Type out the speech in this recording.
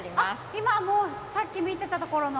今もうさっき見てたところの。